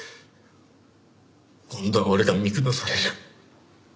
今度は俺が見下される。